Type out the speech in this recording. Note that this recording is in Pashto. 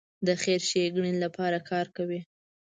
د خیر ښېګڼې لپاره کار کوي.